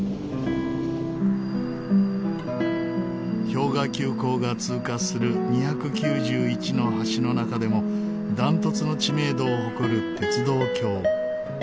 氷河急行が通過する２９１の橋の中でも断トツの知名度を誇る鉄道橋。